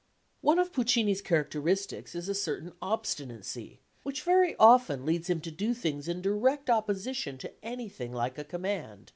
One of Puccini's characteristics is a certain obstinacy which very often leads him to do things in direct opposition to anything like a command.